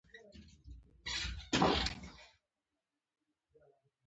ځینې خپل څاروي په ځونډیو او مصنوعي ګلانو ښایسته کړي وي.